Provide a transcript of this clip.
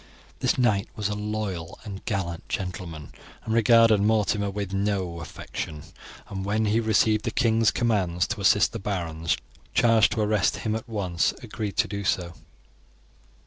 This knight was a loyal and gallant gentleman, and regarded Mortimer with no affection, and when he received the king's commands to assist the barons charged to arrest him he at once agreed to do so.